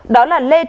đó là lê truyền